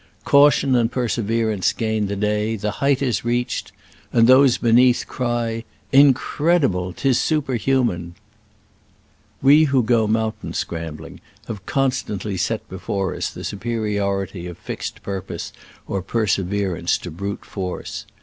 Caution and perseverance gain the day — the height is reached ! and those be neath cry, *' Incredible ! 'tis superhu man !" We who go mountain scrambling have constantly set before us the superiority of fixed purpose or perseverance to brute force.